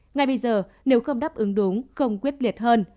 ngay bây giờ nếu không đáp ứng đúng không quyết liệt hơn